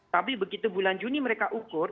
tapi begitu bulan juni mereka ukur